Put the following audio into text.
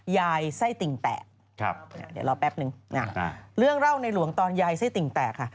ยายไส้ติ่งแตกเดี๋ยวรอแป๊บนึงเรื่องเล่าในหลวงตอนยายไส้ติ่งแตกค่ะ